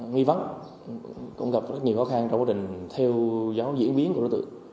nghĩ vắng cũng gặp rất nhiều khó khăn trong quá trình theo dấu diễn biến của đối tượng